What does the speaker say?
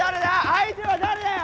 相手は誰だよ？